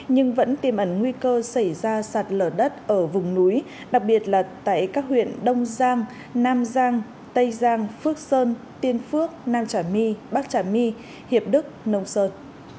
nhưng vẫn tiềm ẩn nguy cơ xảy ra sạt lở đất ở vùng núi đặc biệt là tại các huyện đông giang nam giang tây giang phước sơn tiên phước nam trà my bắc trà my hiệp đức nông sơn